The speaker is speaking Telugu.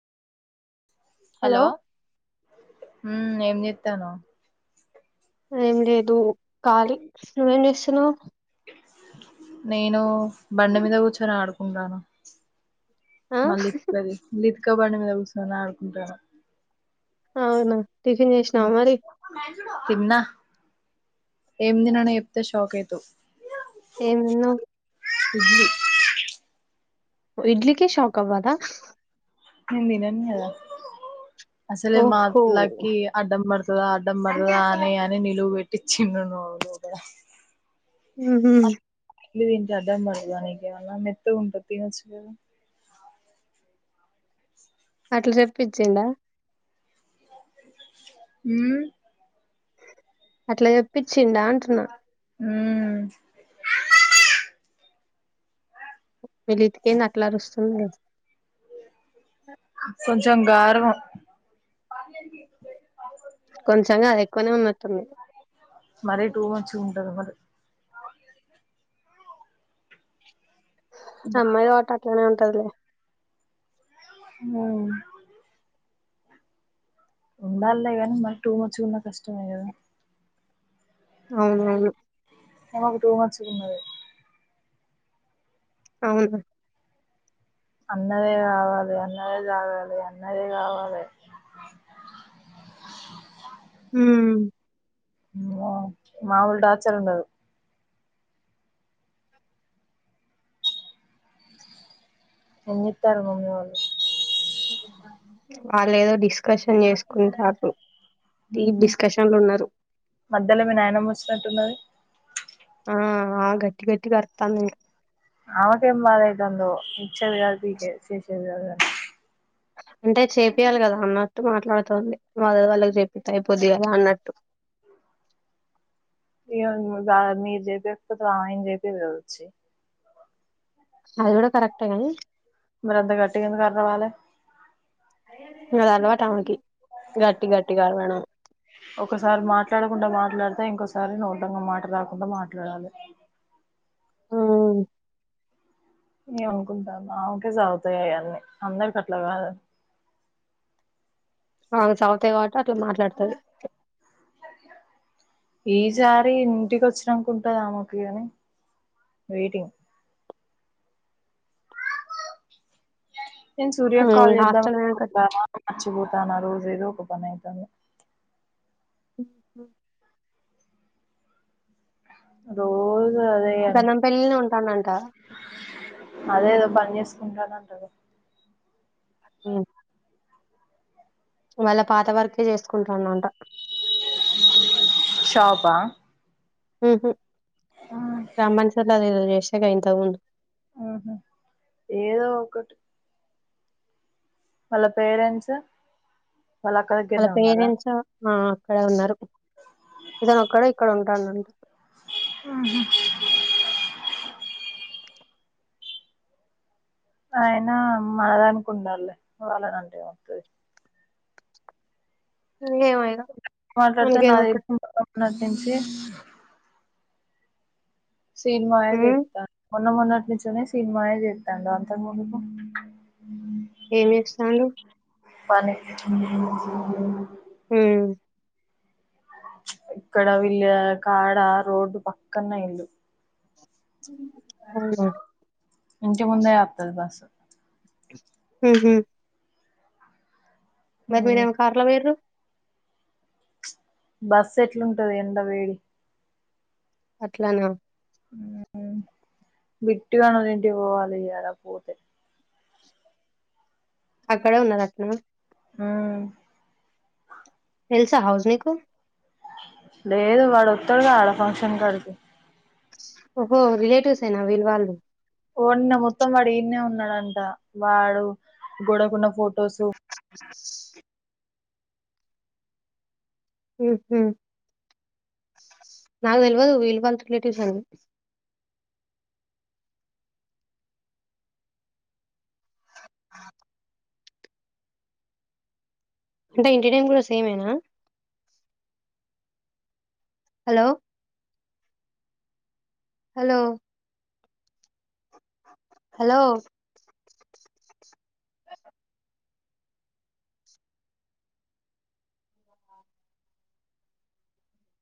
హలో హామ్ ఏం చెత్తాను ఏం లేదు కాలి నువ్వేం చేస్తున్నావు నేను బండి మీద కూర్చొని ఆడుకుంటాన ఆ [unintelligible] [unintelligible] బండి మీద కూచొని ఆడుకుంటాన అవునా టిఫన్ చేసినవ మరి తిన్నా ఏం తిన్నాను చెప్తే షాక్ అవుతు ఏం తిన్నావ్ ఇడ్లీ ఇడ్లీకే షాక్ అవ్వదా నేను తిన్నంకధ అసలే ఓహో మాట్లాకి అడ్డం తా అడ్డం పడతద అని అని నిలువు పెట్టిచ్చు ండు నువ్ దగ్గర హ్మ్ హు ఇల్ తింటే అడ్డం పడతదా నీకేమన్నా మెత్తగుంటది తినొచ్చు కదా అట్ల చెప్పిచ్చిండా హ్మ్ అట్ల చెప్పిచ్చిండా అంటున్నా హ్మ్ మీ లితికేంది అట్ల అరుస్తుంది. కొంచం గారబం కొంచం గాదు ఎక్కువనే ఉన్నట్టుంది మరి టూ మచ్ ఉంటది మరి అమ్మాయి గారవం కావట్టి అట్లనే టదిలే హ్మ్ ఉండాల్లే గానీ మరి టూ మచ్ గున్నా కష్టమే కదా అవునవును ఈమకు టూ మచ్ గున్నది అవునా అన్నదే కావాలి అన్నదే కావాలి అన్నదే కావాలె హ్మ్ మ్మొ మామూలు టార్చర్ ఉండదు ఏం చేత్తారు మమ్మీ వాళ్ళు. వాళ్ళేదో డిస్కషన్ చేసుకుంటార్రు హ్మ్ మధ్యలో మీ నాయనమ్మ వచ్చినట్టు ఉన్నది. ఆ ఆ గట్టి గట్టిగా అరత్తాంది ఇ ఆమెకేం బాధ అయితాందో ఇచ్చేది కాదు పీకేది చేసేది కాదు. అంటే చేపియాలి కదా అన్నట్టు మాట్లాడుతోంది వాళ్లది వాళ్లకి చేప్పితే అయిపోద్ది కదా అన్నట్టు. ఇగ మీరు చెపీయకపోతే ఆమె ఏం చేపీదు కదా వచ్చి అది కూడా కరెక్టే గాని మరి అంత గట్టిగా ఎందుకు అరవాలే అది అలవాటు ఆమెకి గట్టి గట్టిగా అరవడం [unintelligible] మాట్లాడితే ఇంకోసారి నోట్లో నుండి మాట రాకుండా మాట్లాడాలె హ్మ్ ఏమనుకుంటాందో ఆమెకే సాగుతాయి అయన్నీ అందరికీ అట్లా కాదా ఆ సాగుతాయి కాబట్టి అట్లా మాట్లాతది ఈసారి ఇంటికి వచ్చినంక ఉంటది ఆమెకు గాని వెయిటింగ్ నేను సూర్య మ్మ్ కాల్ హాస్టల్ పోయినంక చేద్దామనుకుంటానా పోతాన రోజు ఏదో ఒక పని అయితాంది రో గంధం పెళ్ల్నె ఉంటాడట అదేదో పని చేసుకుంటానా అంటడు. ఉమ్ వాళ్ల పాత వర్కె చేసుకుంటాడంట షాప ఉహు రమ్మనసర్ అదేదో చే వచ్చేగా ఇంతకు ముందు ఆహ ఏదో ఒకటి వాళ్ళ పేరెంట్స్ వాళ్ళ అక్క వాల దగ్గరనే ఉన్నారా పేరెంట్స్ ఉ ఇక్కడే ఉన్నారు. అతను ఒక్కడే ఇక్కడ ఉంటాడంట. హుహు అయినా మనదానికుండాల్లే వాళ్లనంటే ఏంవత్తది. ఏమో ఇగ మాట్లాడితే నాదే మనకెందుకు [inaudible] మొన్నట్నుంచి శీను మావయ్య మ్మ్ చేత్తా మొన్న మొన్నట్నించెనె శీన్ మావే చేత్తాండు. అంతకుముందుకు ఏం చేస్తాండు పని హ్మ్మ్ ఇక్కడ వీళ్ళ కాడ రోడ్డు పక్కన ఇల్లు అవున ఇంటి ముందే వత్తది బస్సు హూహు మరి మీరే ఉమ్ ఏమో కార్లొ పొయిండ్రు. బస్సు ఎట్లుంటది ఎండ వేడి అట్లానా హు హు విట్టు గాని వాల్లంటికి పోవాలే ఇయాల పోతే అక్కడే ఉన్నాద అట్నా హ్మ్ తెల్సా హౌస్ మీకు లేదు వాడు ఒత్తాడు కదా ఆడ ఫంక్షన్ కాడికి హోహో రిలేటివ్స్ ఏనా వీల్ వాళ్ళు ఓన్న మొత్తం వాడు ఈడ్నె ఉన్నాడంట వాడు గొడకున్న ఫొటోసు స్ హు హు నాకు తెల్వదు విళ్ వాళ్ రిలేటివ్స్ అని ఆ అంటే ఇంటి నేమ్ కూడా సేమేనా హలో హలో హలో